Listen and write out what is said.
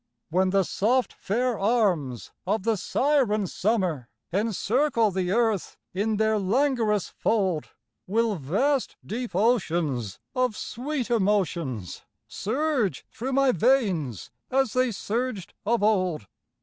When the soft fair arms of the siren Summer Encircle the earth in their languorous fold, Will vast, deep oceans of sweet emotions Surge through my veins as they surged of old?